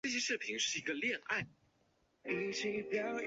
烈香杜鹃为杜鹃花科杜鹃花属下的一个种。